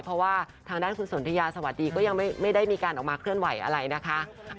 เพราะว่าทางด้านคุณสนทยาสวัสดีก็ยังไม่ได้มีการออกมาเคลื่อนไหวอะไรนะคะ